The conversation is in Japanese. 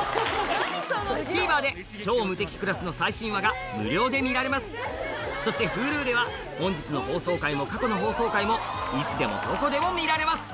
ＴＶｅｒで『超無敵クラス』の最新話が無料で見られますそしてＨｕｌｕでは本日の放送回も過去の放送回もいつでもどこでも見られます